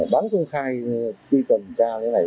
bán công khai tuy cần trao như thế này